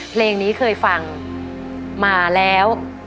เพลงนี้เคยฟังมาแล้ว